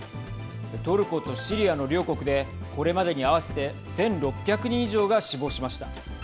トルコとシリアの両国でこれまでに合わせて１６００人以上が死亡しました。